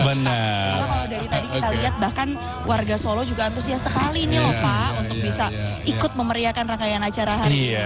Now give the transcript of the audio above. kalau dari tadi kita lihat bahkan warga solo juga antusias sekali nih lho pak untuk bisa ikut memeriakan rangkaian acara hari ini